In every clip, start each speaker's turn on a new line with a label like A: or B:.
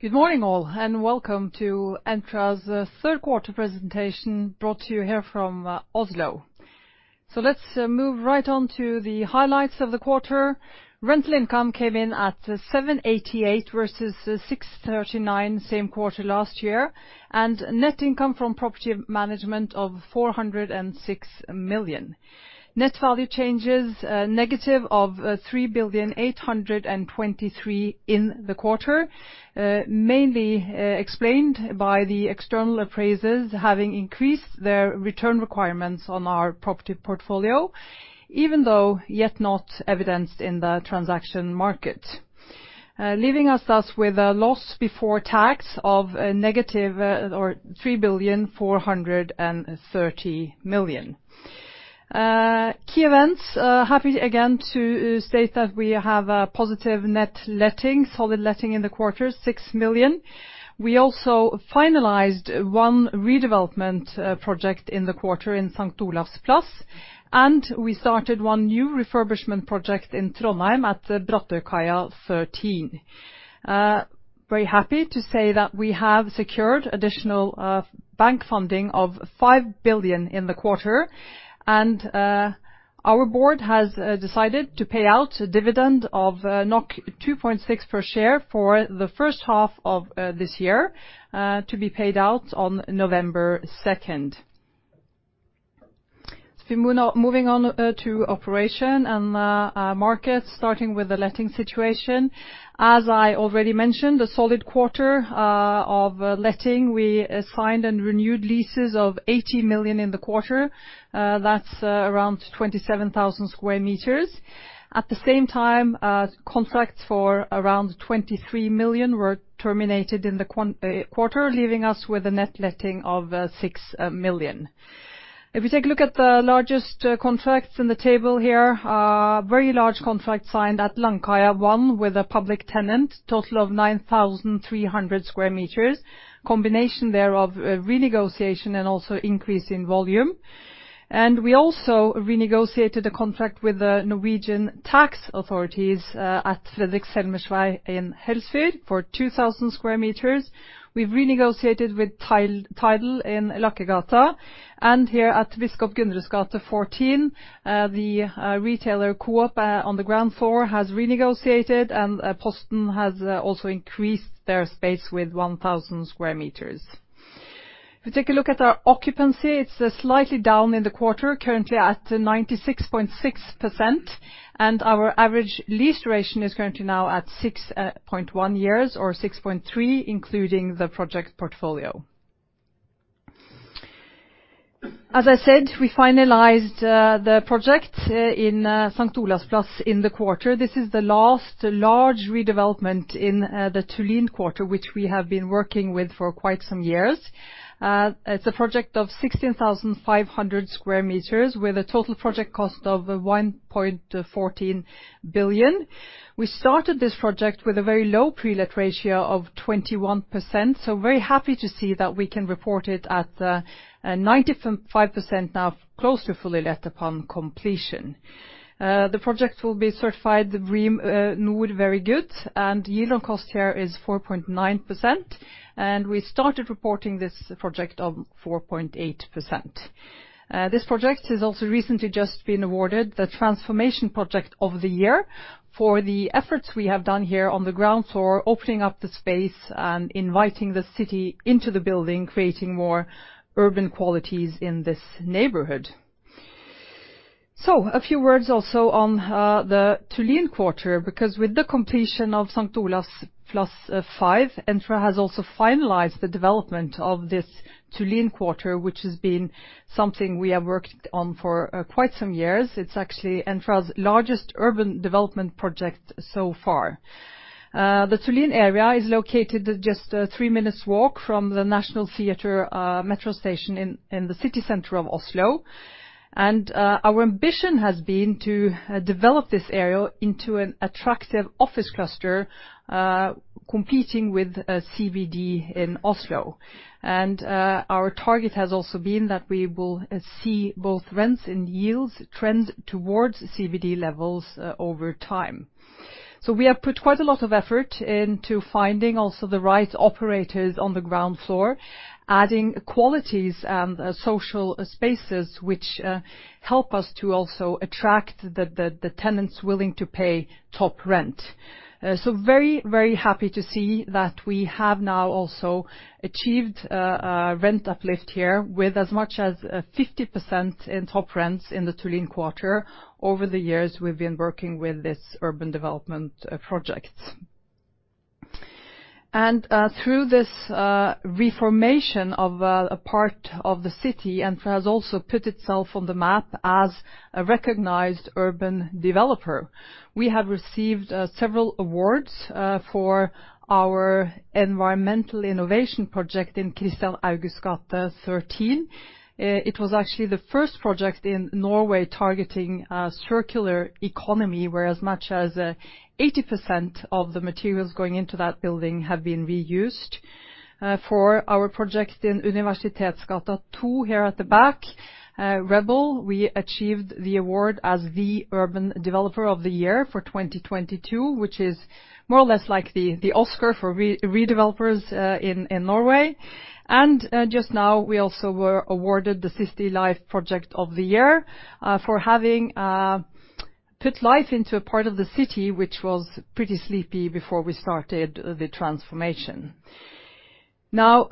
A: Good morning all, and welcome to Entra's third quarter presentation brought to you here from Oslo. Let's move right on to the highlights of the quarter. Rental income came in at 788 million versus 639 million same quarter last year. Net income from property management of 406 million. Net value changes negative of 3.823 billion in the quarter. Mainly explained by the external appraisers having increased their return requirements on our property portfolio even though yet not evidenced in the transaction market. Leaving us thus with a loss before tax of a negative 3.430 billion. Key events. Happy again to state that we have a positive net letting, solid letting in the quarter, 6 million. We also finalized one redevelopment project in the quarter in St. Olavs Plass, and we started one new refurbishment project in Trondheim at Brattørkaia 13. Very happy to say that we have secured additional bank funding of 5 billion in the quarter, and our board has decided to pay out a dividend of 2.6 per share for the first half of this year to be paid out on November second. Moving on to operations and our markets, starting with the letting situation. As I already mentioned, a solid quarter of letting. We assigned and renewed leases of 80 million in the quarter. That's around 27,000 square meters. At the same time, contracts for around 23 million were terminated in the quarter, leaving us with a net letting of 6 million. If you take a look at the largest contracts in the table here, very large contract signed at Langkaia 1 with a public tenant, total of 9,300 square meters. Combination there of a renegotiation and also increase in volume. We also renegotiated a contract with the Norwegian Tax Authorities at Fredrik Selmers vei in Helsfyr for 2,000 square meters. We've renegotiated with Telia in Lakkegata. Here at Biskop Gunnerus gate 14, the retailer Coop on the ground floor has renegotiated, and Posten Norge has also increased their space with 1,000 square meters. If we take a look at our occupancy, it's slightly down in the quarter, currently at 96.6%, and our average lease duration is currently now at 6.1 years, or 6.3, including the project portfolio. As I said, we finalized the project in St. Olavs Plass in the quarter. This is the last large redevelopment in the Tullin Quarter, which we have been working with for quite some years. It's a project of 16,500 square meters with a total project cost of 1.14 billion. We started this project with a very low pre-let ratio of 21%, so very happy to see that we can report it at 95% now, close to fully let upon completion. The project will be certified BREEAM-NOR Very Good, and yield on cost here is 4.9%. We started reporting this project of 4.8%. This project has also recently just been awarded the Transformation Project of the Year for the efforts we have done here on the ground floor, opening up the space and inviting the city into the building, creating more urban qualities in this neighborhood. A few words also on the Tullin Quarter, because with the completion of St. Olavs Plass 5, Entra has also finalized the development of this Tullin Quarter, which has been something we have worked on for quite some years. It's actually Entra's largest urban development project so far. The Tullin area is located at just three minutes walk from the National Theater Metro station in the city center of Oslo. Our ambition has been to develop this area into an attractive office cluster competing with CBD in Oslo. Our target has also been that we will see both rents and yields trend towards CBD levels over time. We have put quite a lot of effort into finding also the right operators on the ground floor, adding qualities and social spaces which help us to also attract the tenants willing to pay top rent. Very happy to see that we have now also achieved a rent uplift here with as much as 50% in top rents in the Tullin Quarter over the years we've been working with this urban development project. Through this reformation of a part of the city, Entra has also put itself on the map as a recognized urban developer. We have received several awards for our environmental innovation project in Kristian Augusts gate 13. It was actually the first project in Norway targeting a circular economy, where as much as 80% of the materials going into that building have been reused. For our project in Universitetsgata 2 here at the back, Rebel, we achieved the award as the Urban Developer of the Year for 2022, which is more or less like the Oscar for redevelopment, in Norway. Just now, we also were awarded the City Life Project of the Year for having put life into a part of the city which was pretty sleepy before we started the transformation. Now,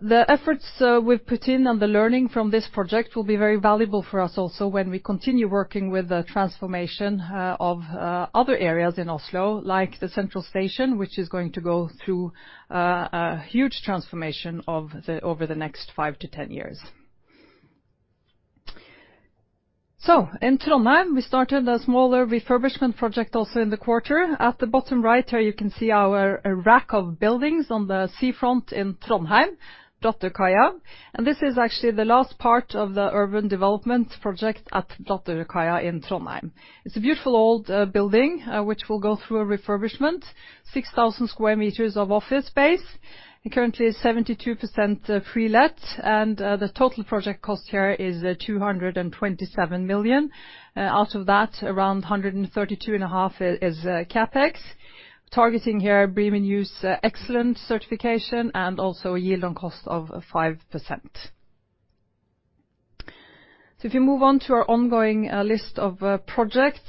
A: the efforts we've put in and the learning from this project will be very valuable for us also when we continue working with the transformation of other areas in Oslo, like the Central Station, which is going to go through a huge transformation over the next five to 10 years. In Trondheim, we started a smaller refurbishment project also in the quarter. At the bottom right here, you can see our block of buildings on the seafront in Trondheim, Dronningkaia, and this is actually the last part of the urban development project at Dronningkaia in Trondheim. It's a beautiful old building, which will go through a refurbishment, 6,000 square meters of office space and currently 72% pre-let, and the total project cost here is 227 million. Out of that, around 132.5 million is CapEx. Targeting here BREEAM-NOR Excellent certification and also a yield on cost of 5%. If you move on to our ongoing list of projects,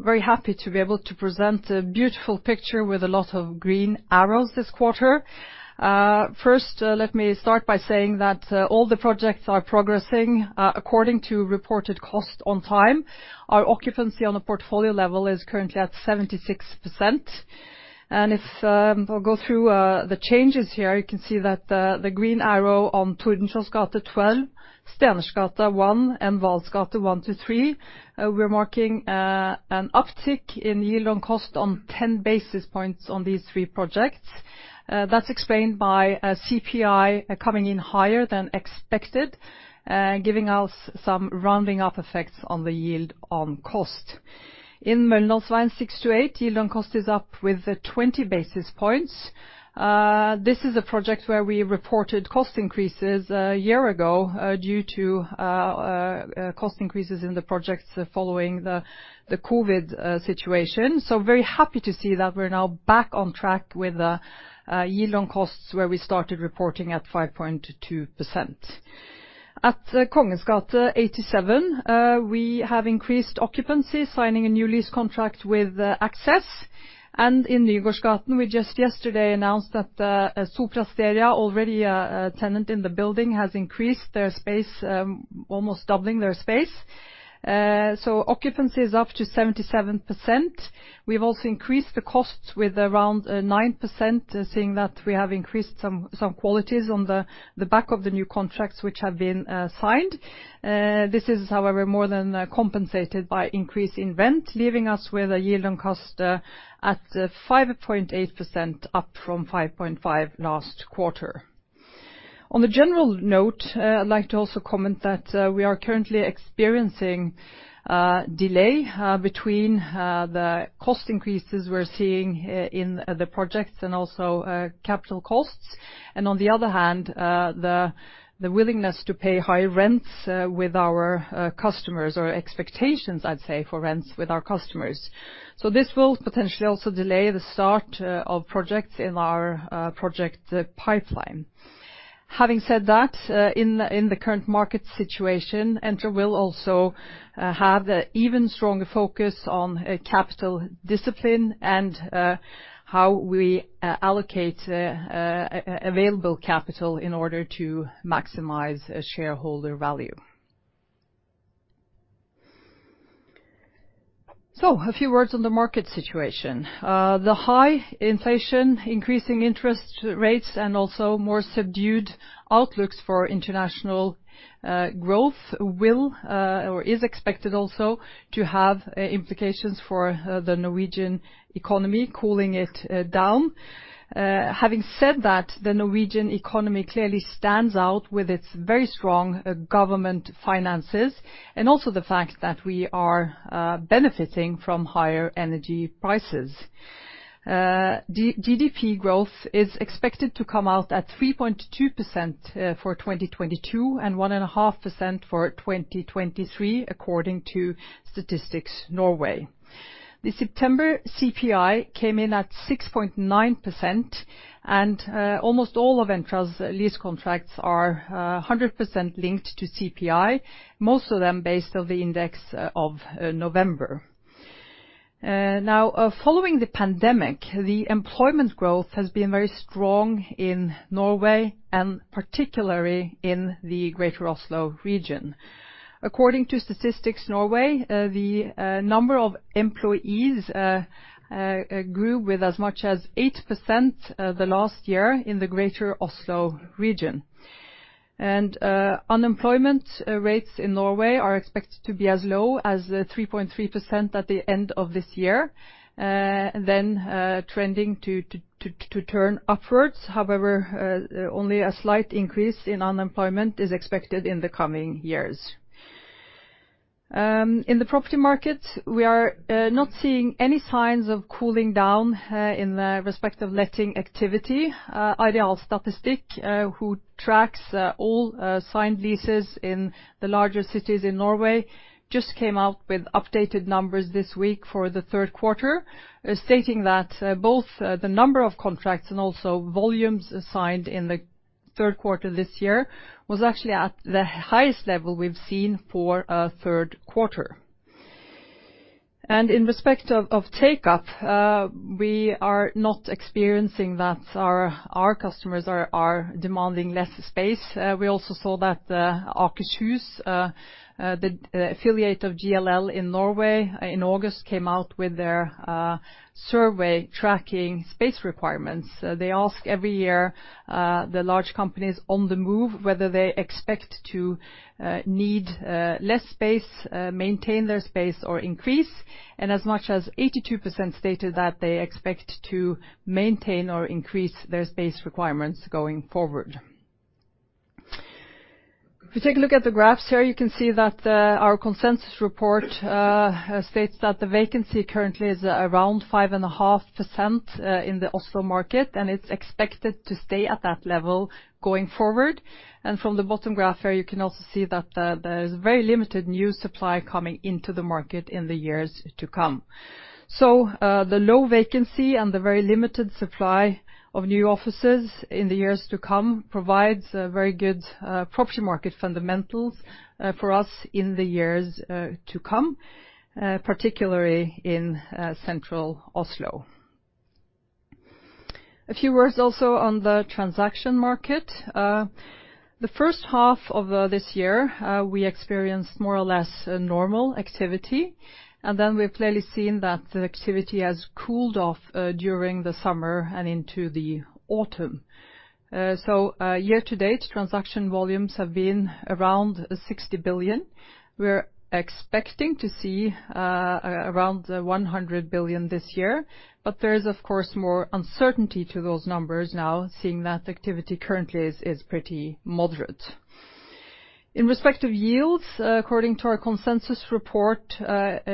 A: very happy to be able to present a beautiful picture with a lot of green arrows this quarter. First, let me start by saying that all the projects are progressing according to reported cost on time. Our occupancy on a portfolio level is currently at 76%. If I'll go through the changes here, you can see that the green arrow on Tordenskiolds gate 12, Stensberggata 1, and Vahls gate 1-3, we're marking an uptick in yield on cost on 10 basis points on these three projects. That's explained by a CPI coming in higher than expected, giving us some rounding up effects on the yield on cost. In Møllendalsveien 6-8, yield on cost is up with 20 basis points. This is a project where we reported cost increases a year ago, due to cost increases in the projects following the COVID situation. Very happy to see that we're now back on track with yield on cost, where we started reporting at 5.2%. At Kongens gate 87, we have increased occupancy, signing a new lease contract with Access. In Nygårdsgaten, we just yesterday announced that Sopra Steria, already a tenant in the building, has increased their space, almost doubling their space. Occupancy is up to 77%. We've also increased the costs with around 9%, seeing that we have increased some qualities on the back of the new contracts which have been signed. This is however more than compensated by increase in rent, leaving us with a yield on cost at 5.8%, up from 5.5% last quarter. On the general note, I'd like to also comment that we are currently experiencing delay between the cost increases we're seeing in the projects and also capital costs and on the other hand, the willingness to pay high rents with our customers, or expectations I'd say, for rents with our customers. This will potentially also delay the start of projects in our project pipeline. Having said that, in the current market situation, Entra will also have a even stronger focus on capital discipline and how we allocate available capital in order to maximize shareholder value. A few words on the market situation. The high inflation, increasing interest rates, and also more subdued outlooks for international growth is expected also to have implications for the Norwegian economy, cooling it down. Having said that, the Norwegian economy clearly stands out with its very strong government finances and also the fact that we are benefiting from higher energy prices. GDP growth is expected to come out at 3.2% for 2022 and 1.5% for 2023 according to Statistics Norway. The September CPI came in at 6.9% and almost all of Entra's lease contracts are 100% linked to CPI, most of them based on the index of November. Following the pandemic, the employment growth has been very strong in Norway and particularly in the greater Oslo region. According to Statistics Norway, the number of employees grew with as much as 8% last year in the greater Oslo region. Unemployment rates in Norway are expected to be as low as 3.3% at the end of this year, then trending to turn upwards. However, only a slight increase in unemployment is expected in the coming years. In the property market, we are not seeing any signs of cooling down in the respective letting activity. Arealstatistikk, who tracks all signed leases in the larger cities in Norway just came out with updated numbers this week for the third quarter, stating that both the number of contracts and also volumes signed in the third quarter this year was actually at the highest level we've seen for a third quarter. In respect of take up, we are not experiencing that our customers are demanding less space. We also saw that the Akershus, the affiliate of JLL in Norway, in August came out with their survey tracking space requirements. They ask every year the large companies on the move whether they expect to need less space, maintain their space, or increase, and as much as 82% stated that they expect to maintain or increase their space requirements going forward. If you take a look at the graphs here, you can see that our consensus report states that the vacancy currently is around 5.5% in the Oslo market, and it's expected to stay at that level going forward. From the bottom graph there, you can also see that there's very limited new supply coming into the market in the years to come. The low vacancy and the very limited supply of new offices in the years to come provides a very good property market fundamentals for us in the years to come, particularly in central Oslo. A few words also on the transaction market. The first half of this year, we experienced more or less a normal activity, and then we've clearly seen that the activity has cooled off during the summer and into the autumn. Year to date, transaction volumes have been around 60 billion. We're expecting to see around 100 billion this year. But there is, of course, more uncertainty to those numbers now, seeing that the activity currently is pretty moderate. In respect of yields, according to our consensus report,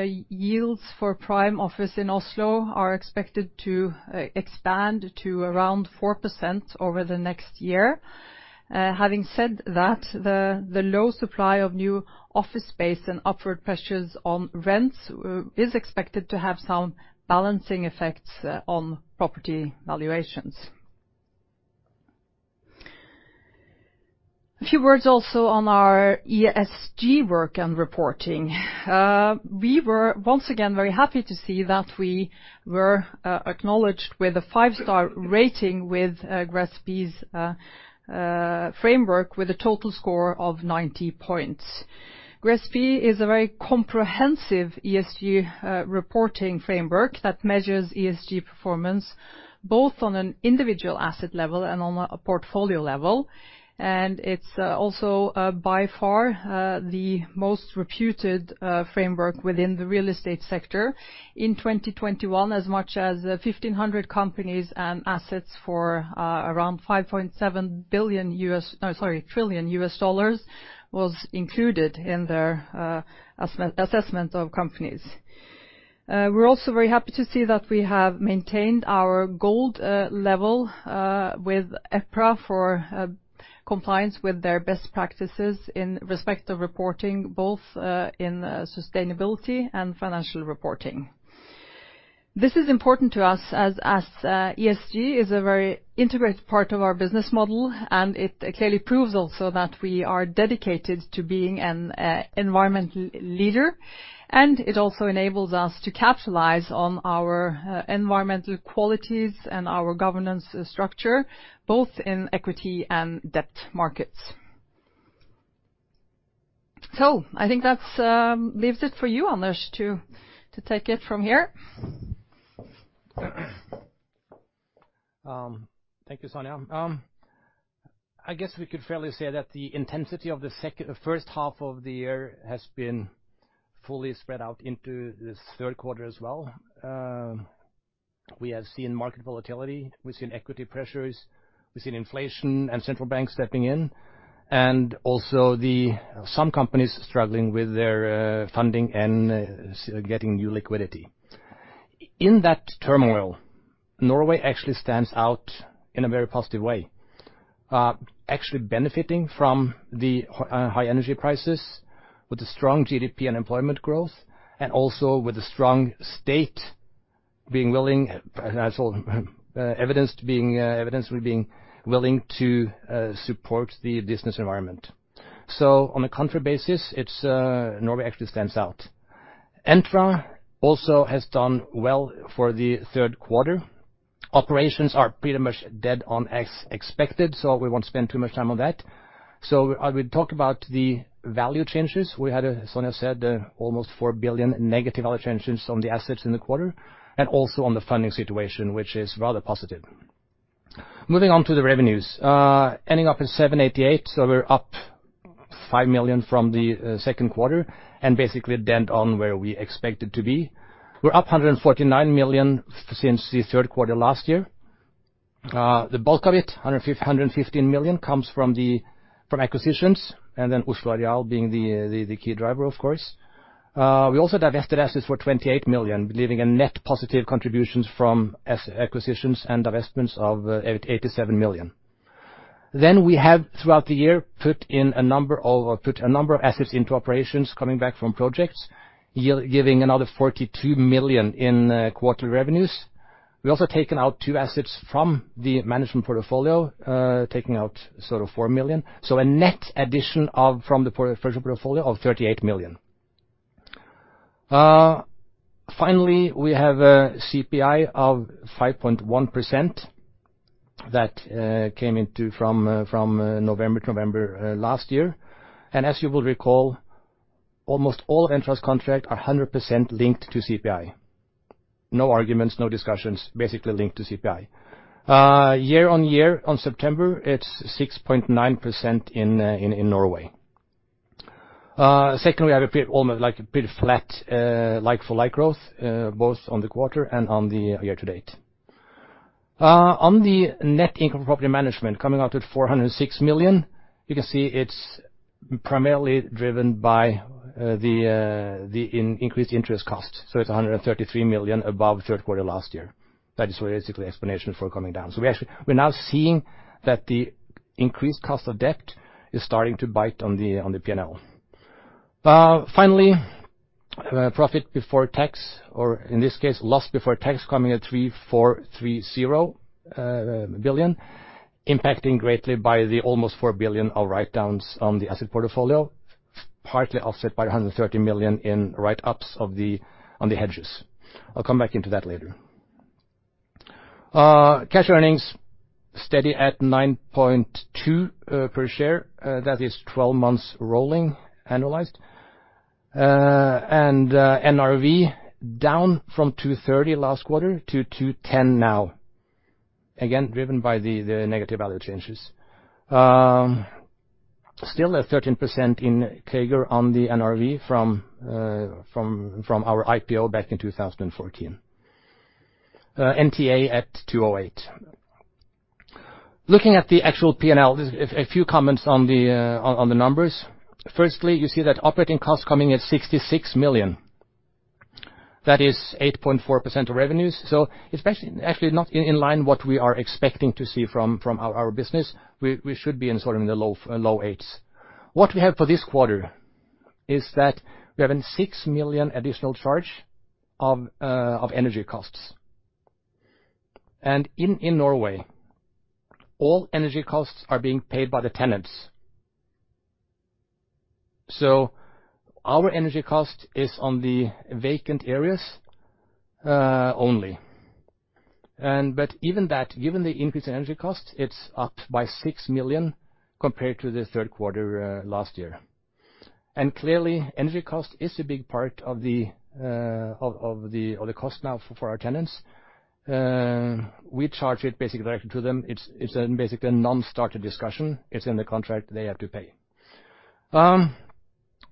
A: yields for prime office in Oslo are expected to expand to around 4% over the next year. Having said that, the low supply of new office space and upward pressures on rents is expected to have some balancing effects on property valuations. A few words also on our ESG work and reporting. We were once again very happy to see that we were acknowledged with a five-star rating with GRESB's framework with a total score of 90 points. GRESB is a very comprehensive ESG reporting framework that measures ESG performance, both on an individual asset level and on a portfolio level. It's also by far the most reputed framework within the real estate sector. In 2021, as much as 1,500 companies and assets for around $5.7 billion U.S., no sorry, $5.7 trillion was included in their assessment of companies. We're also very happy to see that we have maintained our gold level with EPRA for compliance with their best practices in respect of reporting, both in sustainability and financial reporting. This is important to us as ESG is a very integrated part of our business model, and it clearly proves also that we are dedicated to being an environmental leader. It also enables us to capitalize on our environmental qualities and our governance structure, both in equity and debt markets. I think that leaves it for you, Anders, to take it from here.
B: Thank you, Sonja. I guess we could fairly say that the intensity of the first half of the year has been fully spread out into this third quarter as well. We have seen market volatility, we've seen equity pressures, we've seen inflation and central banks stepping in, and also some companies struggling with their funding and getting new liquidity. In that turmoil, Norway actually stands out in a very positive way. Actually benefiting from the high energy prices with a strong GDP and employment growth, and also with a strong state being willing, as evidenced with being willing to support the business environment. On a country basis, it's Norway actually stands out. Entra also has done well for the third quarter. Operations are pretty much dead on as expected, so we won't spend too much time on that. I will talk about the value changes. We had, as Sonja said, almost NOK 4 billion negative value changes on the assets in the quarter, and also on the funding situation, which is rather positive. Moving on to the revenues. Ending up at 788 million, so we're up 5 million from the second quarter, and basically dead on where we expect it to be. We're up 149 million since the third quarter last year. The bulk of it, 115 million, comes from acquisitions, and then Ullvariel being the key driver of course. We also divested assets for 28 million, leaving a net positive contributions from acquisitions and divestments of 87 million. We have, throughout the year, put a number of assets into operations coming back from projects, giving another 42 million in quarterly revenues. We have also taken out two assets from the management portfolio, taking out sort of 4 million. A net addition to the portfolio of 38 million. Finally, we have a CPI of 5.1% that came into effect from November last year. As you will recall, almost all of Entra's contracts are 100% linked to CPI. No arguments, no discussions, basically linked to CPI. Year-on-year in September, it's 6.9% in Norway. Secondly, we have a bit flat, like for-like growth, both on the quarter and on the year-to-date. On the net income property management coming out at 406 million, you can see it's primarily driven by the increased interest costs. It's 133 million above third quarter last year. That is basically the explanation for coming down. We actually are now seeing that the increased cost of debt is starting to bite on the PNL. Finally, profit before tax, or in this case, loss before tax coming at 3.430 billion, impacting greatly by the almost 4 billion of write-downs on the asset portfolio, partly offset by 130 million in write-ups on the hedges. I'll come back into that later. Cash earnings steady at 9.2 per share. That is 12 months rolling, annualized. NRV down from 230 last quarter to 210 now, again, driven by the negative value changes. Still a 13% CAGR on the NRV from our IPO back in 2014. NTA at 208. Looking at the actual PNL, this is a few comments on the numbers. Firstly, you see that operating costs coming at 66 million. That is 8.4% of revenues. Especially actually not in line what we are expecting to see from our business. We should be in sort of the low eights. What we have for this quarter is that we have a 6 million additional charge of energy costs. In Norway, all energy costs are being paid by the tenants. Our energy cost is on the vacant areas only. Even that, given the increase in energy costs, it's up by 6 million compared to the third quarter last year. Clearly, energy cost is a big part of the cost now for our tenants. We charge it basically directly to them. It's basically a non-starter discussion. It's in the contract they have to pay.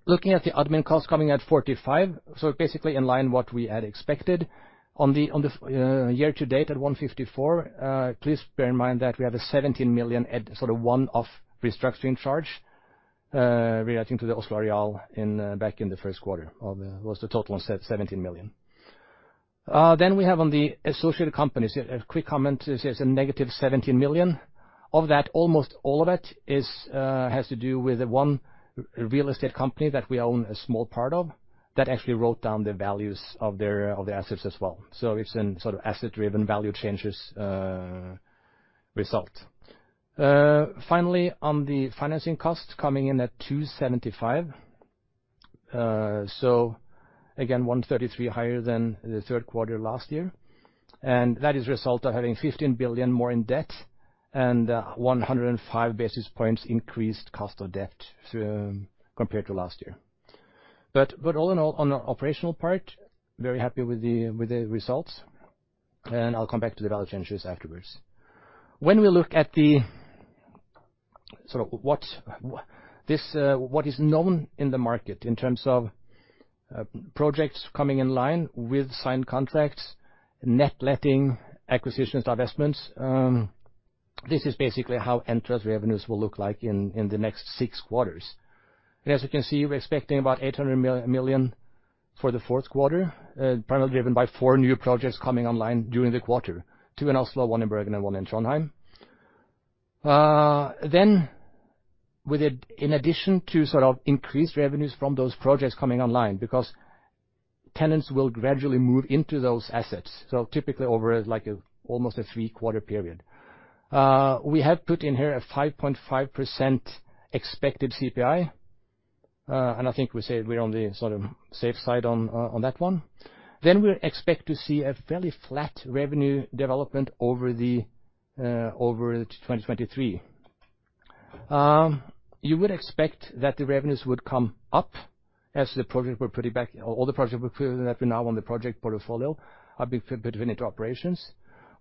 B: Looking at the admin costs coming at 45 million. Basically in line what we had expected. On the year to date at 154 million, please bear in mind that we have a 17 million, a sort of one-off restructuring charge, relating to the Oslo real estate back in the first quarter of the year was the total of 17 million. We have on the associated companies a quick comment. This is a negative 17 million. Of that, almost all of it has to do with one real estate company that we own a small part of that actually wrote down the values of their assets as well. It's the result of sort of asset-driven value changes. Finally, on the financing costs coming in at 275 million. Again, 133 million higher than the third quarter last year. That is a result of having 15 billion more in debt and 105 basis points increased cost of debt compared to last year. All in all, on the operational part, very happy with the results. I'll come back to the value changes afterwards. When we look at what is known in the market in terms of projects coming in line with signed contracts, net letting, acquisitions, divestments, this is basically how Entra's revenues will look like in the next six quarters. As you can see, we're expecting about 800 million for the fourth quarter, primarily driven by four new projects coming online during the quarter, two in Oslo, one in Bergen, and one in Trondheim. In addition to sort of increased revenues from those projects coming online, because tenants will gradually move into those assets, so typically over like almost a three-quarter period. We have put in here a 5.5% expected CPI, and I think we said we're on the sort of safe side on that one. We expect to see a fairly flat revenue development over 2023. You would expect that the revenues would come up as the projects we're putting up now in the project portfolio are being put into operations.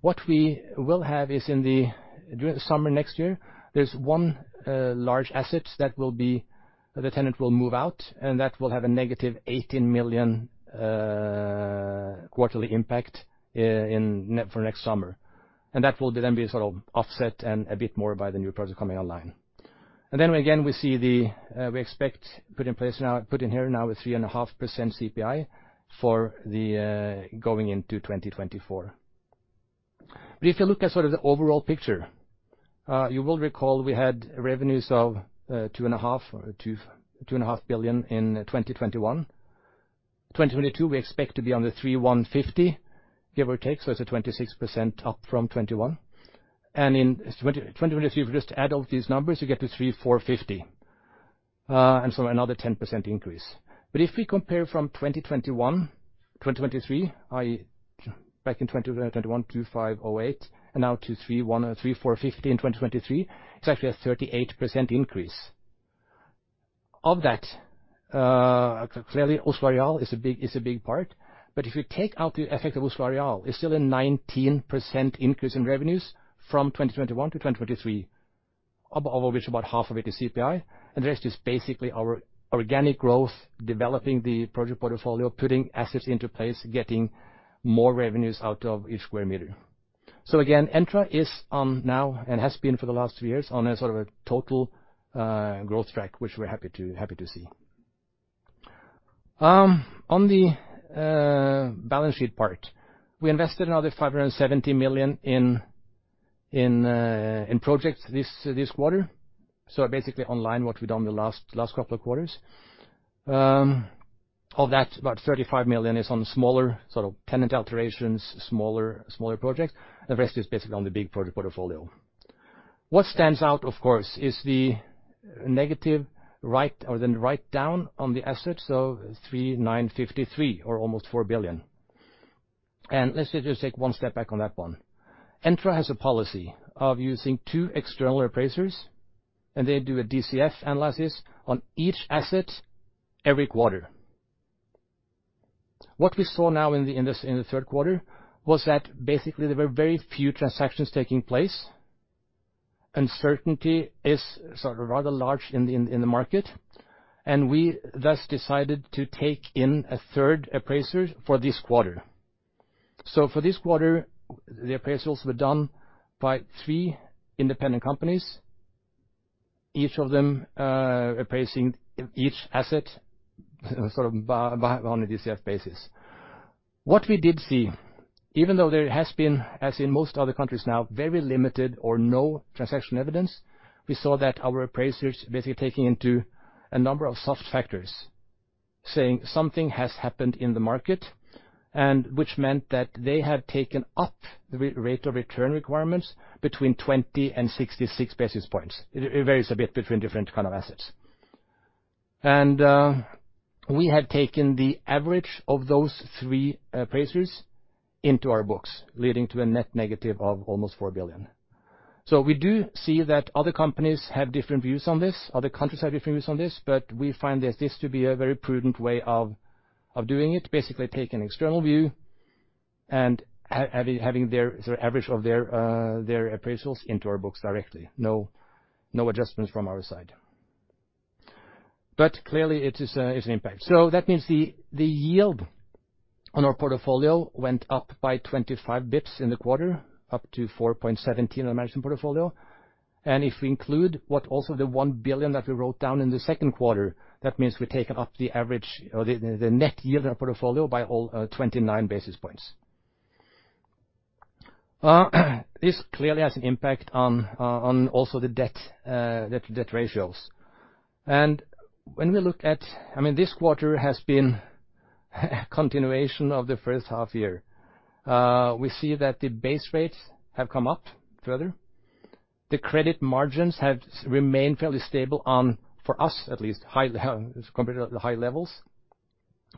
B: What we will have is during the summer next year, there's one large asset where the tenant will move out, and that will have a negative 18 million quarterly impact in net for next summer. That will then be sort of offset and a bit more by the new projects coming online. We expect put in place now a 3.5% CPI going into 2024. If you look at sort of the overall picture, you will recall we had revenues of 2.5 billion in 2021. 2022 we expect to be on the 3.15 billion, give or take, so it's a 26% up from 2021. In 2023, if we just add up these numbers, you get to 3.45 billion. Another 10% increase. If we compare from 2021-2023, i.e., back in 2021, 2.508 billion, and now 3.45 billion in 2023, it's actually a 38% increase. Clearly Oslo Real is a big part, but if you take out the effect of Oslo Real, it's still a 19% increase in revenues from 2021 to 2023. Of which about half of it is CPI, and the rest is basically our organic growth, developing the project portfolio, putting assets into place, getting more revenues out of each square meter. Again, Entra is on now, and has been for the last three years, on a sort of a total growth track, which we're happy to see. On the balance sheet part, we invested another 570 million in projects this quarter. Basically in line with what we've done the last couple of quarters. Of that, about 35 million is on smaller sort of tenant alterations, smaller projects. The rest is basically on the big project portfolio. What stands out, of course, is the negative write-down on the assets of 3.953 billion or almost 4 billion. Let's just take one step back on that one. Entra has a policy of using two external appraisers, and they do a DCF analysis on each asset every quarter. What we saw now in the third quarter was that basically there were very few transactions taking place. Uncertainty is sort of rather large in the market, and we thus decided to take in a third appraiser for this quarter. For this quarter, the appraisals were done by three independent companies, each of them appraising each asset on a DCF basis. What we did see, even though there has been, as in most other countries now, very limited or no transaction evidence, we saw that our appraisers basically taking into account a number of soft factors saying something has happened in the market, and which meant that they have taken up the required rate of return requirements between 20 and 66 basis points. It varies a bit between different kind of assets. We have taken the average of those three appraisers into our books, leading to a net negative of almost 4 billion. We do see that other companies have different views on this, other countries have different views on this, but we find this to be a very prudent way of doing it, basically take an external view and having their sort of average of their appraisals into our books directly. No, no adjustments from our side. Clearly it is, it's an impact. That means the yield on our portfolio went up by 25 basis points in the quarter, up to 4.17 on the management portfolio. If we include what also the 1 billion that we wrote down in the second quarter, that means we've taken up the average or the net yield on our portfolio by all 29 basis points. This clearly has an impact on also the debt ratios. When we look at, I mean, this quarter has been continuation of the first half year. We see that the base rates have come up further. The credit margins have remained fairly stable on, for us at least, high, compared to the high levels.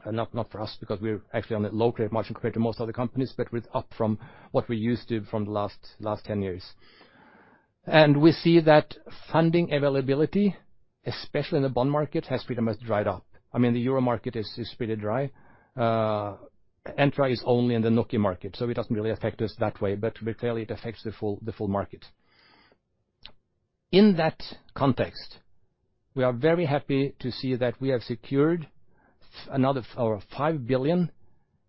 B: Not for us because we're actually on the low credit margin compared to most other companies, but it's up from what we're used to from the last 10 years. We see that funding availability, especially in the bond market, has pretty much dried up. I mean, the Euro market is pretty dry. Entra is only in the NOK market, so it doesn't really affect us that way. Clearly it affects the full market. In that context, we are very happy to see that we have secured another 5 billion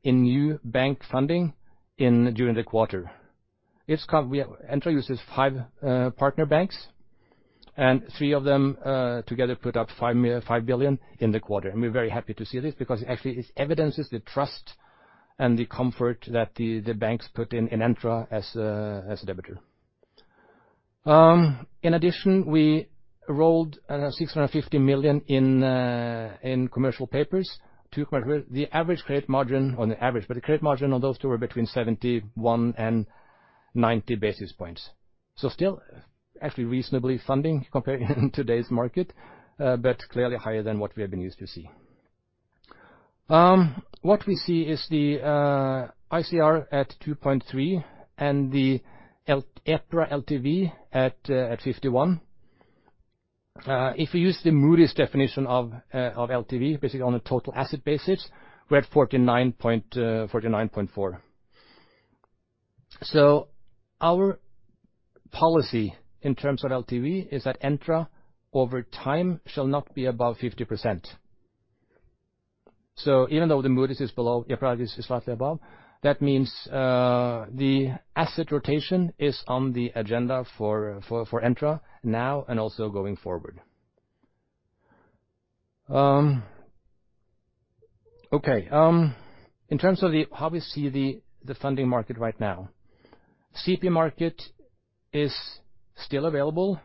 B: in new bank funding during the quarter. Entra uses five partner banks, and three of them together put up 5 billion in the quarter. We're very happy to see this because actually it evidences the trust and the comfort that the banks put in Entra as a debtor. In addition, we rolled over 650 million in commercial papers quite well. The credit margin on those two were between 71 and 90 basis points. Still actually reasonable funding compared to today's market, but clearly higher than what we have been used to see. What we see is the ICR at 2.3 and the EPRA LTV at 51. If we use the Moody's definition of LTV, basically on a total asset basis, we're at 49.4. Our policy in terms of LTV is that Entra over time shall not be above 50%. Even though the Moody's is below, EPRA is slightly above, that means the asset rotation is on the agenda for Entra now and also going forward. Okay. In terms of how we see the funding market right now. CP market is still available,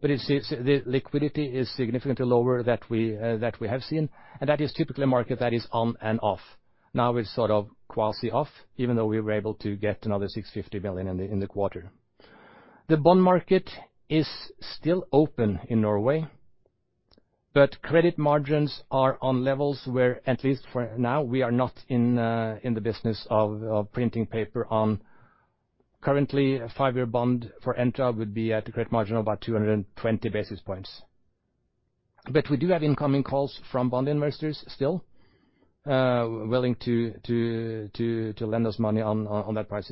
B: but the liquidity is significantly lower than we have seen, and that is typically a market that is on and off. Now it's sort of quasi off, even though we were able to get another 650 million in the quarter. The bond market is still open in Norway, but credit margins are on levels where at least for now, we are not in the business of printing paper on. Currently, a five-year bond for Entra would be at a credit margin of about 220 basis points. We do have incoming calls from bond investors still willing to lend us money on that price.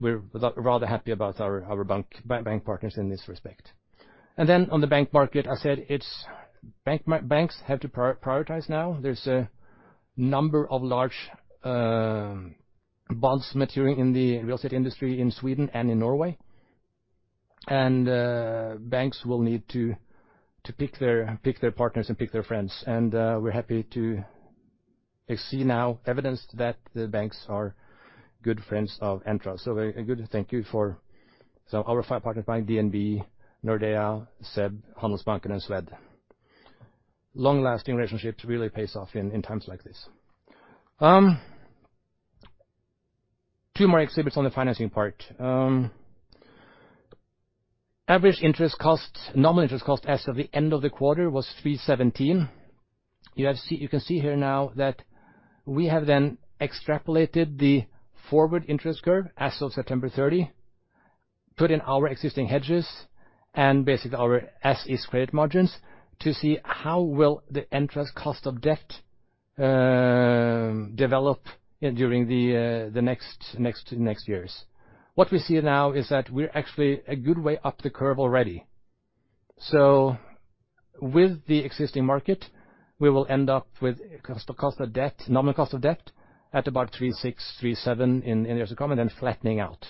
B: We're rather happy about our bank partners in this respect. Then on the bank market, I said banks have to prioritize now. There's a number of large bonds maturing in the real estate industry in Sweden and in Norway. Banks will need to pick their partners and pick their friends. We're happy to see some evidence that the banks are good friends of Entra. A good thank you for some of our partners, like DNB, Nordea, SEB, Handelsbanken, and Swedbank. Long-lasting relationships really pays off in times like this. Two more exhibits on the financing part. Average interest costs, nominal interest costs as of the end of the quarter was 3.17%. You can see here now that we have then extrapolated the forward interest curve as of September 30, put in our existing hedges and basically our as is credit margins to see how will the interest cost of debt develop during the next years. What we see now is that we're actually a good way up the curve already. With the existing market, we will end up with cost of debt, nominal cost of debt at about 3.6%-3.7% in years to come and then flattening out.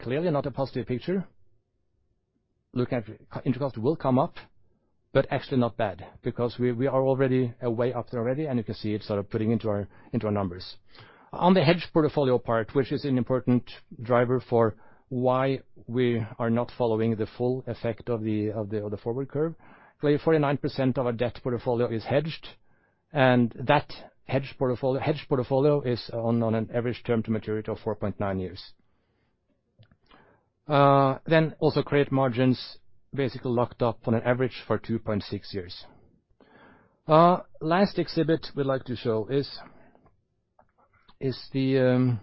B: Clearly not a positive picture. Look at interest will come up, but actually not bad because we are already way up, and you can see it sort of putting into our numbers. On the hedge portfolio part, which is an important driver for why we are not following the full effect of the forward curve. Clearly, 49% of our debt portfolio is hedged, and that hedge portfolio is on an average term to maturity of 4.9 years. Then also credit margins basically locked up on an average for 2.6 years. Last exhibit we like to show is the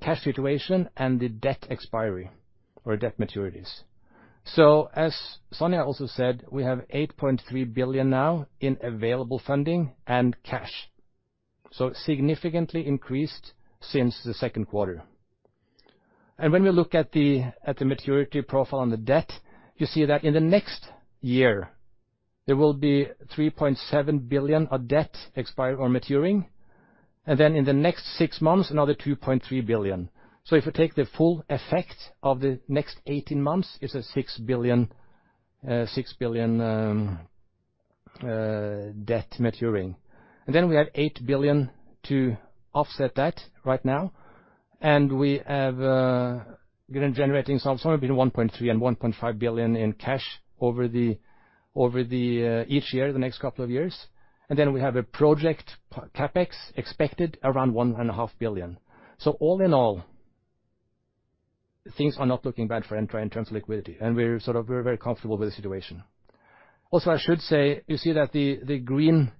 B: cash situation and the debt expiry or debt maturities. As Sonja also said, we have 8.3 billion now in available funding and cash, so significantly increased since the second quarter. When we look at the maturity profile on the debt, you see that in the next year, there will be 3.7 billion of debt expire or maturing. Then in the next six months, another 2.3 billion. If you take the full effect of the next 18 months, it's a 6 billion debt maturing. Then we have 8 billion to offset that right now. We have been generating some somewhere between 1.3 billion and 1.5 billion in cash over each year, the next couple of years. Then we have a project CapEx expected around 1.5 billion. All in all, things are not looking bad for Entra in terms of liquidity, and we're sort of very, very comfortable with the situation. I should say you see that the green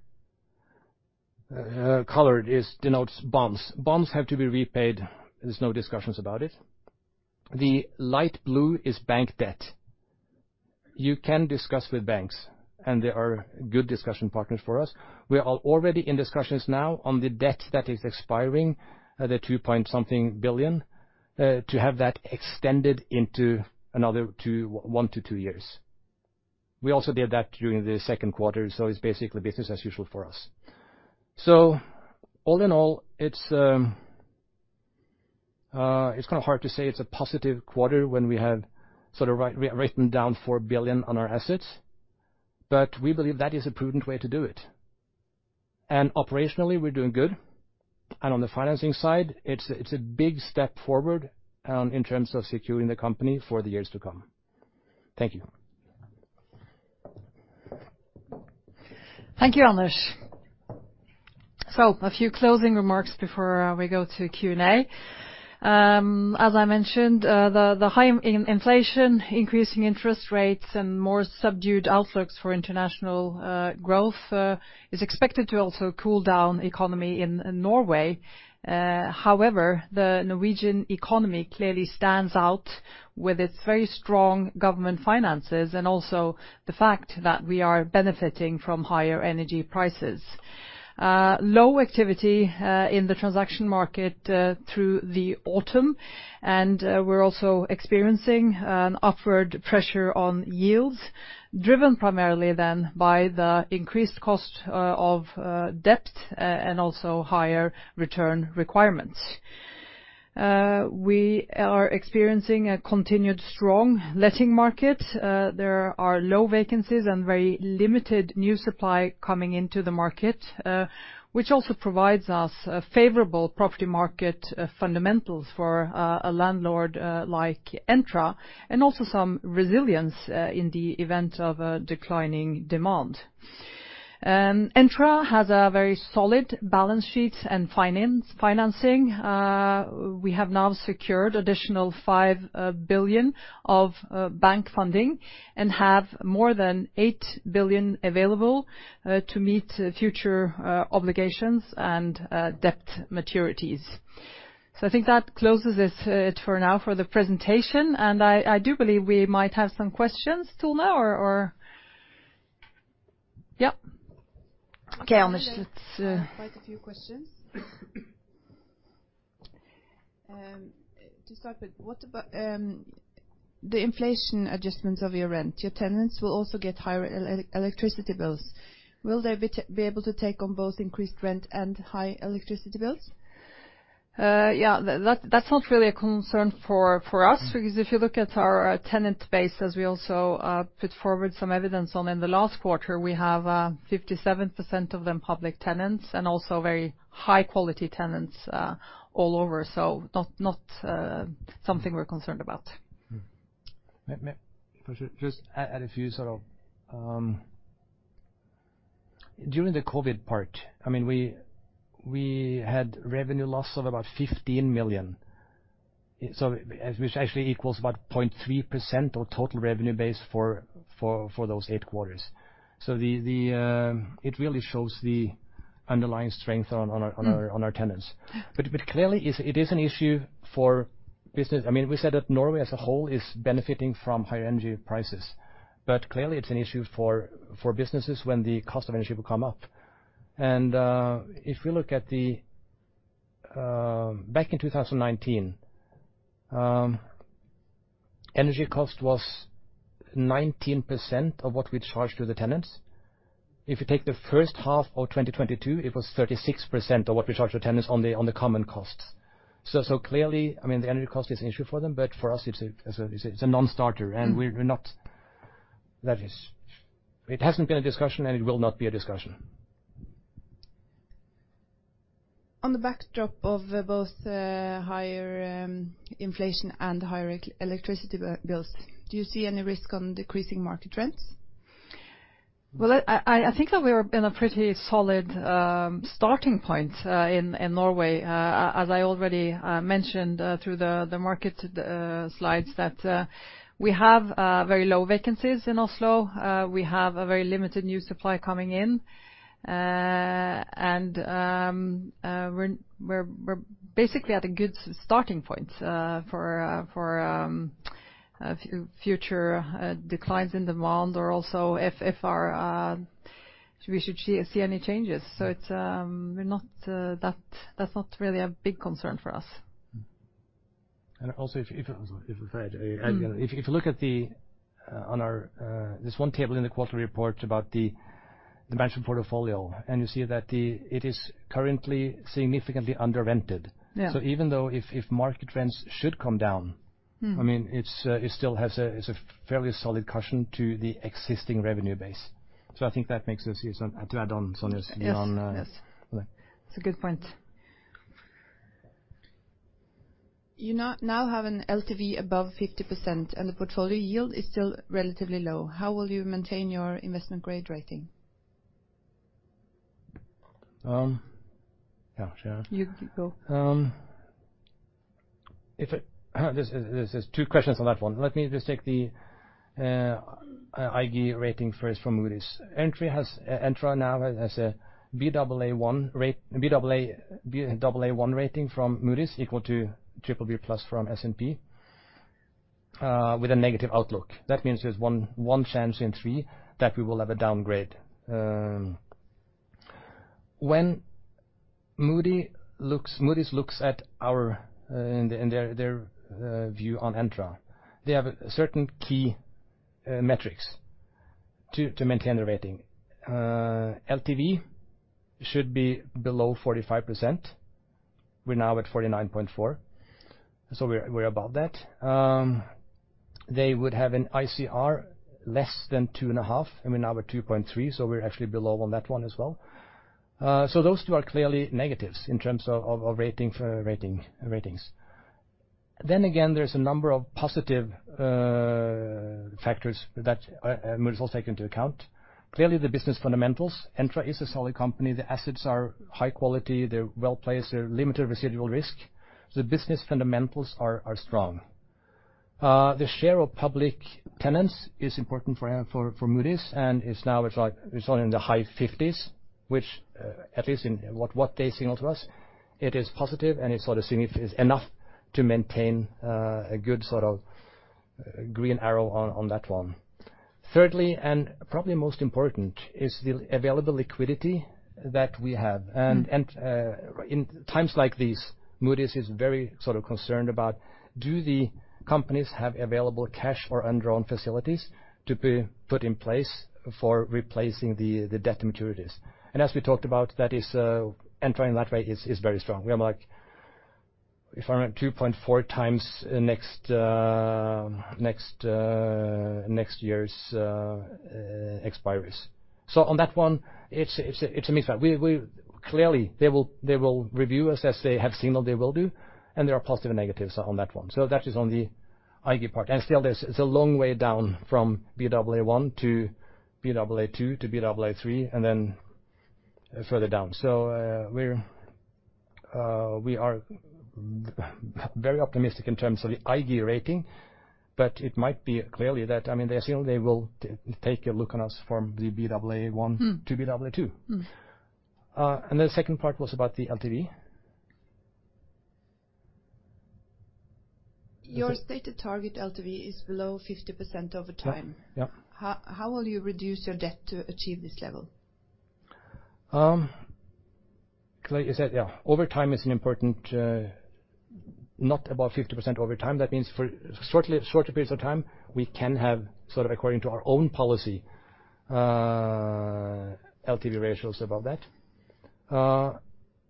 B: color denotes bonds. Bonds have to be repaid. There's no discussions about it. The light blue is bank debt. You can discuss with banks, and they are good discussion partners for us. We are already in discussions now on the debt that is expiring, the 2-something billion, to have that extended into another one to two years. We also did that during the second quarter, so it's basically business as usual for us. All in all, it's kind of hard to say it's a positive quarter when we have sort of written down 4 billion on our assets, but we believe that is a prudent way to do it. Operationally, we're doing good. On the financing side, it's a big step forward in terms of securing the company for the years to come. Thank you.
A: Thank you, Anders. A few closing remarks before we go to Q&A. As I mentioned, the high inflation, increasing interest rates and more subdued outlooks for international growth is expected to also cool down economy in Norway. However, the Norwegian economy clearly stands out with its very strong government finances and also the fact that we are benefiting from higher energy prices. Low activity in the transaction market through the autumn, and we're also experiencing an upward pressure on yields, driven primarily then by the increased cost of debt and also higher return requirements. We are experiencing a continued strong letting market. There are low vacancies and very limited new supply coming into the market, which also provides us a favorable property market fundamentals for a landlord like Entra, and also some resilience in the event of a declining demand. Entra has a very solid balance sheet and financing. We have now secured additional 5 billion of bank funding and have more than 8 billion available to meet future obligations and debt maturities. I think that closes this for now for the presentation, and I do believe we might have some questions too now. Yep. Okay, honestly, let's
C: Quite a few questions. To start with, what about the inflation adjustments of your rent? Your tenants will also get higher electricity bills. Will they be able to take on both increased rent and high electricity bills?
A: Yeah. That's not really a concern for us because if you look at our tenant base, as we also put forward some evidence on in the last quarter, we have 57% of them public tenants and also very high quality tenants all over, so not something we're concerned about.
B: If I should just add a few sort of, during the COVID part, I mean, we had revenue loss of about 15 million. Which actually equals about 0.3% of total revenue base for those eight quarters. It really shows the underlying strength of our tenants. Clearly it is an issue for business. I mean, we said that Norway as a whole is benefiting from higher energy prices. Clearly it's an issue for businesses when the cost of energy will come up. If we look back in 2019, energy cost was 19% of what we charged to the tenants. If you take the first half of 2022, it was 36% of what we charged the tenants on the common costs. Clearly, I mean, the energy cost is an issue for them, but for us it's a non-starter, and we're not. That is, it hasn't been a discussion and it will not be a discussion.
C: On the backdrop of both higher inflation and higher electricity bills, do you see any risk of decreasing market rents?
A: Well, I think that we're in a pretty solid starting point in Norway. As I already mentioned through the market slides that we have very low vacancies in Oslo. We have a very limited new supply coming in. We're basically at a good starting point for future declines in demand or also if we should see any changes. It's not really a big concern for us.
B: Also, if you look at the one table in the quarterly report about the mansion portfolio, and you see that it is currently significantly under-rented.
A: Yeah.
B: Even though if market rents should come down.
A: Mm.
B: I mean, it's a fairly solid cushion to the existing revenue base. I think that makes us see some add to that on, sonus-
A: Yes. Yes.
B: On, uh-
A: It's a good point.
C: You now have an LTV above 50% and the portfolio yield is still relatively low. How will you maintain your investment grade rating?
B: Yeah.
A: You go.
B: There's two questions on that one. Let me just take the IG rating first from Moody's. Entra now has a Baa1 rating from Moody's equal to BBB+ from S&P with a negative outlook. That means there's one chance in three that we will have a downgrade. Moody's looks at us in their view on Entra, they have certain key metrics to maintain the rating. LTV should be below 45%. We're now at 49.4%, so we're above that. They would have an ICR less than 2.5, and we're now at 2.3, so we're actually below on that one as well. So those two are clearly negatives in terms of ratings. There's a number of positive factors that Moody's will take into account. Clearly, the business fundamentals. Entra is a solid company. The assets are high quality. They're well-placed. They're limited residual risk. The business fundamentals are strong. The share of public tenants is important for Moody's, and it's now like it's only in the high 50%, which, at least in what they signal to us, it is positive and it's sort of enough to maintain a good sort of green arrow on that one. Thirdly, and probably most important, is the available liquidity that we have. In times like these, Moody's is very sort of concerned about do the companies have available cash or undrawn facilities to be put in place for replacing the debt maturities. As we talked about, that is, Entra in that way is very strong. We are like if I remember, 2.4x next year's expiries. On that one, it's a mix. Clearly, they will review us as they have signaled they will do, and there are positive and negatives on that one. That is on the IG part. Still, there's a long way down from Baa1 to Baa2 to Baa3, and then further down. We are very optimistic in terms of the IG rating, but it might be clearly that, I mean, they assume they will take a look on us from the Baa1 to Baa2.
C: Mm.
B: The second part was about the LTV.
C: Your stated target LTV is below 50% over time.
B: Yeah.
C: How will you reduce your debt to achieve this level?
B: Like I said, yeah, over time is an important not above 50% over time. That means for shorter periods of time, we can have sort of according to our own policy LTV ratios above that.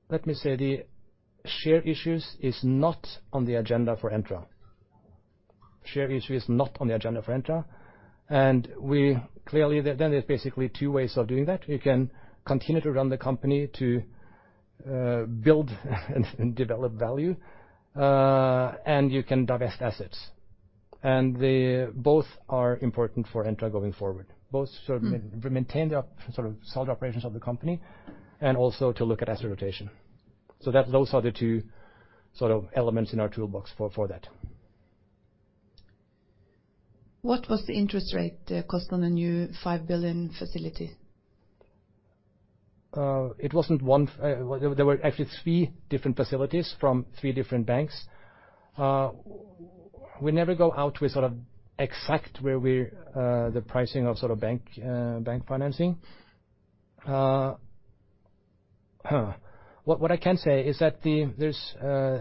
B: Let me say share issue is not on the agenda for Entra. Clearly, then there's basically two ways of doing that. We can continue to run the company to build and develop value and you can divest assets. They both are important for Entra going forward. Both sort of maintain the sort of solid operations of the company and also to look at asset rotation. That those are the two sort of elements in our toolbox for that.
C: What was the interest rate, the cost on the new 5 billion facility?
B: It wasn't one. There were actually three different facilities from three different banks. We never go out with the exact pricing of bank financing. What I can say is that there's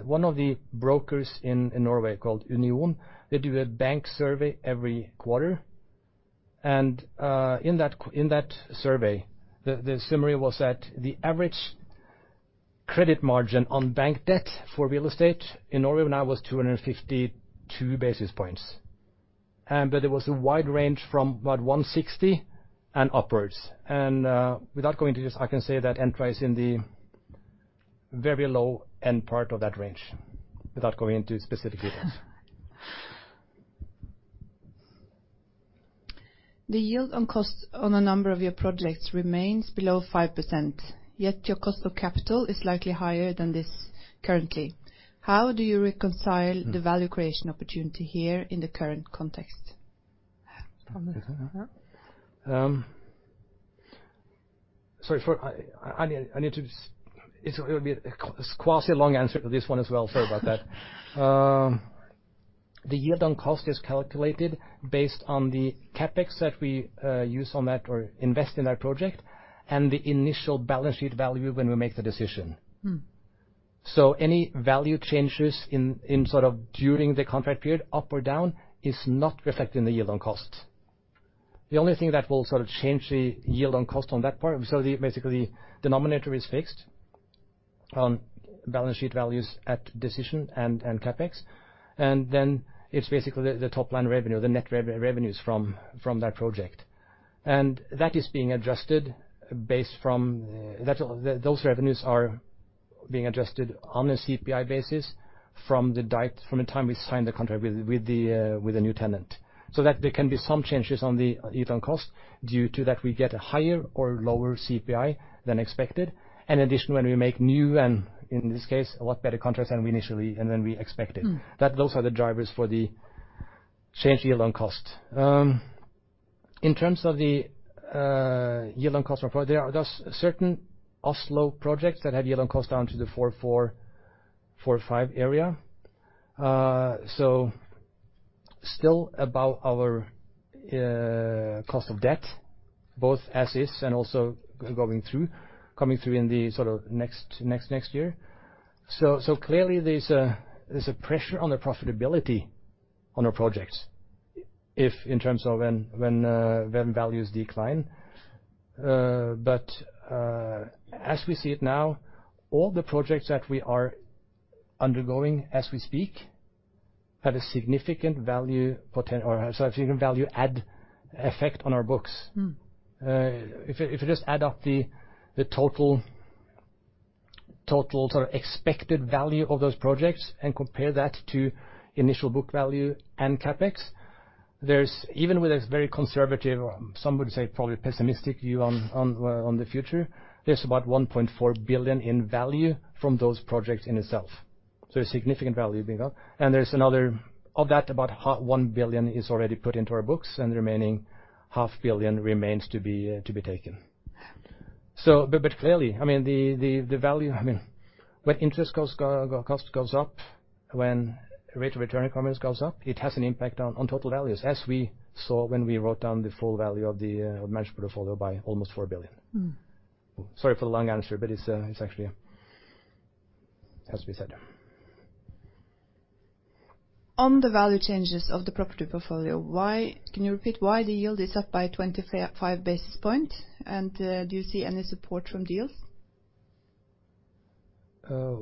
B: one of the brokers in Norway called Union. They do a bank survey every quarter. In that survey, the summary was that the average credit margin on bank debt for real estate in Norway now was 252 basis points. There was a wide range from about 160 and upwards. Without going into this, I can say that Entra is in the very low-end part of that range, without going into specific details.
C: The yield on cost on a number of your projects remains below 5%, yet your cost of capital is likely higher than this currently. How do you reconcile the value creation opportunity here in the current context?
B: It's gonna be a quite long answer to this one as well. Sorry about that. The yield on cost is calculated based on the CapEx that we use on that or invest in that project, and the initial balance sheet value when we make the decision.
C: Mm.
B: Any value changes in sort of during the contract period, up or down, is not reflected in the yield on cost. The only thing that will sort of change the yield on cost on that part, so the basically denominator is fixed on balance sheet values at decision and CapEx. Then it's basically the top-line revenue, the net revenues from that project. That is being adjusted. Those revenues are being adjusted on a CPI basis from the date, from the time we signed the contract with the new tenant. That there can be some changes on the yield on cost due to that we get a higher or lower CPI than expected. In addition, when we make new and, in this case, a lot better contracts than we initially, and than we expected.
C: Mm.
B: Those are the drivers for the change in yield on cost. In terms of the yield on cost report, there are those certain Oslo projects that have yield on cost down to the 4.4%-4.5% area. Still above our cost of debt, both as is and also coming through in the sort of next year. Clearly, there's a pressure on the profitability of our projects in terms of when values decline. As we see it now, all the projects that we are undergoing as we speak have a significant value add effect on our books.
C: Mm.
B: If you just add up the total sort of expected value of those projects and compare that to initial book value and CapEx, there's even with this very conservative, or some would say probably pessimistic view on the future, there's about 1.4 billion in value from those projects in itself. A significant value being up. Of that, about 1 billion is already put into our books, and the remaining half billion NOK remains to be taken. Clearly, I mean, the value, I mean, when interest cost goes up, when rate of return requirements goes up, it has an impact on total values, as we saw when we wrote down the full value of the managed portfolio by almost 4 billion.
C: Mm.
B: Sorry for the long answer, but it's actually has to be said.
C: On the value changes of the property portfolio, why? Can you repeat why the yield is up by 25 basis points? Do you see any support from deals?
B: Sorry,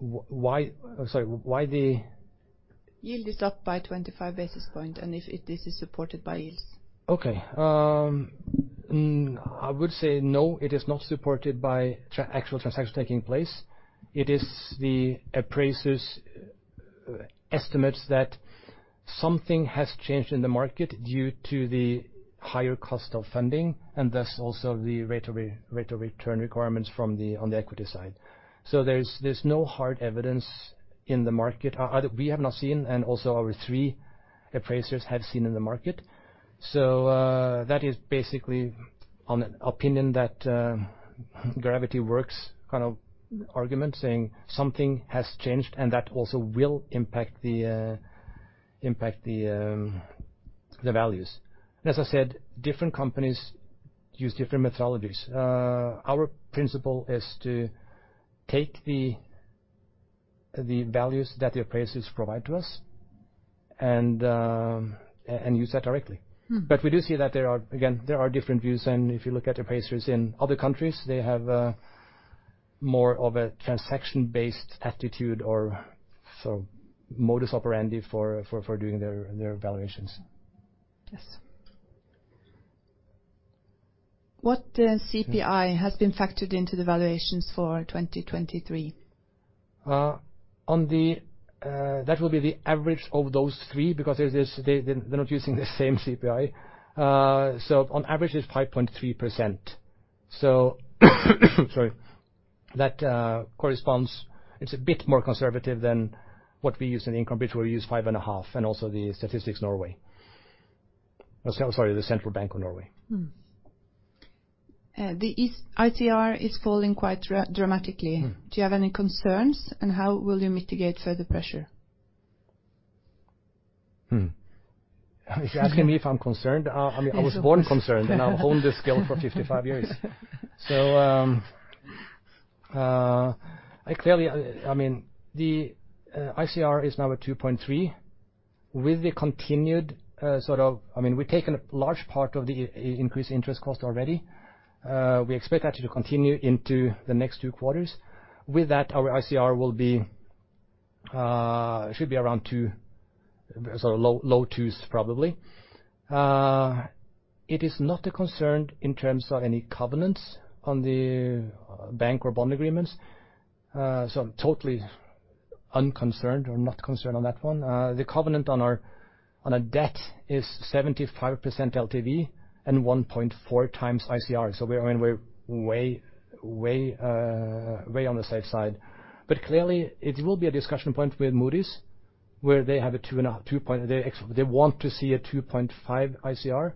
B: why the-
C: Yield is up by 25 basis points, and this is supported by deals.
B: Okay. I would say no, it is not supported by actual transactions taking place. It is the appraiser's estimates that something has changed in the market due to the higher cost of funding, and thus also the rate of return requirements from the on the equity side. There's no hard evidence in the market. We have not seen, and also our three appraisers have seen in the market. That is basically on an opinion that gravity works, kind of argument, saying something has changed, and that also will impact the values. As I said, different companies use different methodologies. Our principle is to take the values that the appraisers provide to us and use that directly.
C: Mm.
B: We do see that there are, again, different views. If you look at appraisers in other countries, they have more of a transaction-based attitude or so modus operandi for doing their valuations.
C: Yes. What CPI has been factored into the valuations for 2023?
B: That will be the average of those three because they're not using the same CPI. On average it's 5.3%. That corresponds. It's a bit more conservative than what we use in Entra, where we use 5.5%, and also Statistics Norway. Sorry, Central Bank of Norway.
C: The ICR is falling quite dramatically.
B: Mm.
C: Do you have any concerns, and how will you mitigate further pressure?
B: Are you asking me if I'm concerned? I mean.
C: Yes, of course.
B: I was born concerned, and I'll own this skill for 55 years. I mean, the ICR is now at 2.3. With the continued, I mean, we've taken a large part of the increased interest cost already. We expect that to continue into the next two quarters. With that, our ICR will be, should be around two, so low twos probably. It is not a concern in terms of any covenants on the bank or bond agreements, so I'm totally unconcerned or not concerned on that one. The covenant on our debt is 75% LTV and 1.4 times ICR. I mean, we're way on the safe side. Clearly it will be a discussion point with Moody's, where they have a 2.0. They want to see a 2.5 ICR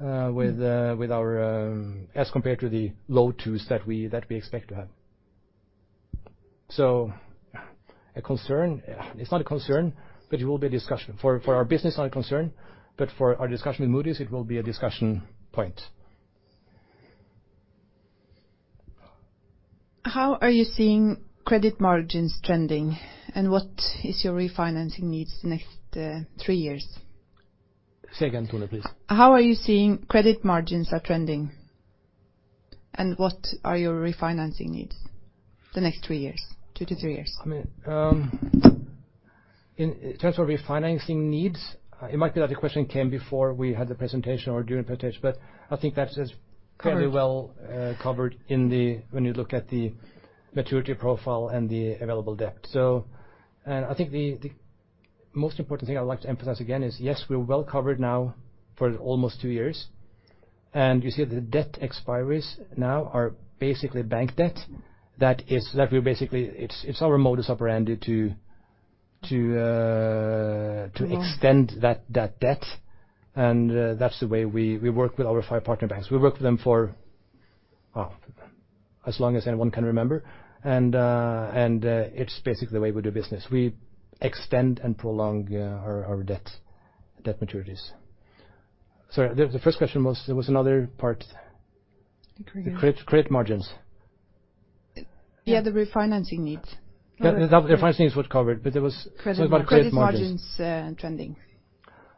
B: with ours as compared to the low 2s that we expect to have. A concern? It's not a concern, but it will be a discussion. For our business, not a concern, but for our discussion with Moody's, it will be a discussion point.
C: How are you seeing credit margins trending, and what is your refinancing needs the next three years?
B: Say again, Tone, please.
C: How are you seeing credit margins are trending, and what are your refinancing needs the next three years, two to three years?
B: I mean, in terms of refinancing needs, it might be that the question came before we had the presentation or during presentation, but I think that is fairly well.
C: Covered
B: Covered in the when you look at the maturity profile and the available debt. I think the most important thing I'd like to emphasize again is, yes, we're well covered now for almost two years. You see the debt expiries now are basically bank debt. That is, it's our modus operandi to extend that debt. It's basically the way we do business. We extend and prolong our debt maturities. Sorry, the first question was. There was another part.
C: The credit-
B: The credit margins.
C: Yeah, the refinancing needs.
B: Yeah, the refinancing is what covered, but there was.
C: Credit mar-
B: Talk about credit margins.
C: Credit margins and trending.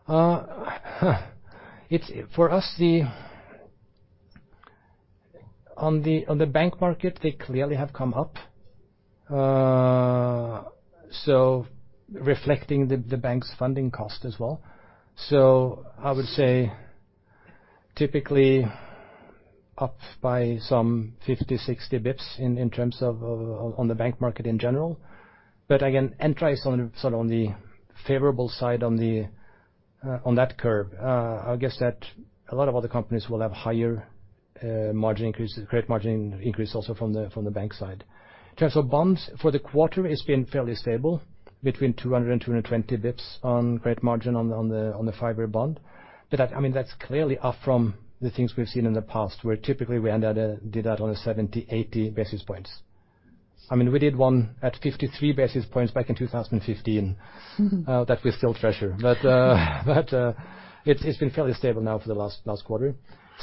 B: On the bank market, they clearly have come up, reflecting the bank's funding cost as well. I would say typically up by some 50, 60 basis points in terms of on the bank market in general. Again, Entra is sort of on the favorable side of that curve. I guess that a lot of other companies will have higher margin increases, credit margin increases also from the bank side. In terms of bonds, for the quarter, it's been fairly stable between 200 and 220 basis points on credit margin on the fiber bond. That, I mean, that's clearly up from the things we've seen in the past, where typically we did that on a 70, 80 basis points. I mean, we did one at 53 basis points back in 2015 that we still treasure. It's been fairly stable now for the last quarter.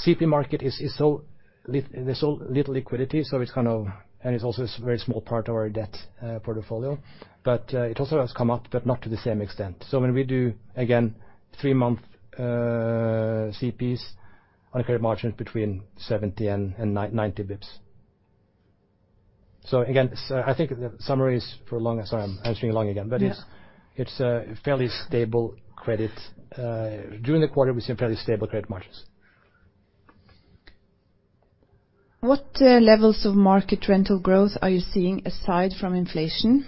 B: CP market is so. There's so little liquidity, so it's kind of. It's also a very small part of our debt portfolio. It also has come up, but not to the same extent. When we do, again, three-month CPs on a credit margin between 70 and 90 basis points. Again, I think the summary is for long. Sorry, I'm answering long again.
C: Yeah.
B: It's a fairly stable credit. During the quarter, we've seen fairly stable credit margins.
C: What levels of market rental growth are you seeing aside from inflation?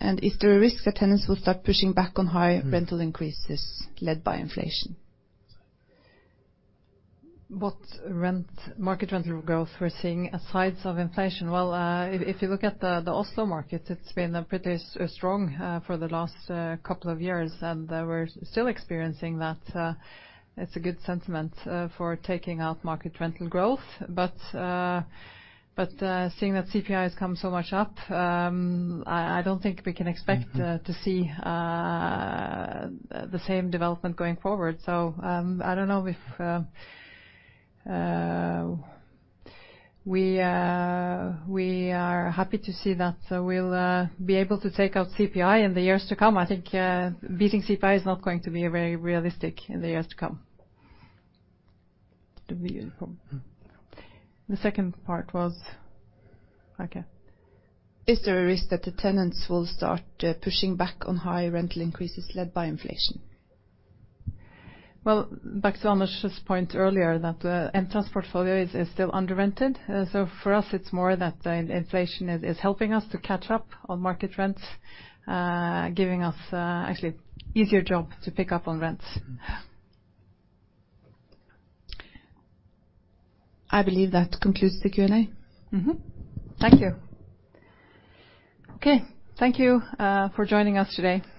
C: Is there a risk that tenants will start pushing back on high rental increases led by inflation?
A: What rental market growth we're seeing aside from inflation? Well, if you look at the Oslo markets, it's been pretty strong for the last couple of years, and we're still experiencing that, it's a good sentiment for taking out market rental growth. Seeing that CPI has come up so much, I don't think we can expect-
B: Mm-hmm.
A: To see the same development going forward. I don't know if we are happy to see that. We'll be able to take out CPI in the years to come. I think beating CPI is not going to be very realistic in the years to come. The second part was okay.
C: Is there a risk that the tenants will start pushing back on high rental increases led by inflation?
A: Well, back to Anders' point earlier that Entra's portfolio is still under-rented. So for us, it's more that the inflation is helping us to catch up on market rents, giving us actually easier job to pick up on rents.
C: I believe that concludes the Q&A.
A: Mm-hmm.
C: Thank you.
A: Okay, thank you for joining us today.
B: Great set.